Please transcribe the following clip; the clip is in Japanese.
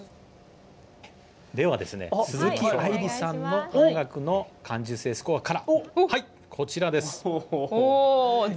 ではですね、鈴木愛理さんの音楽の感受性スコアから、はい、こちらです。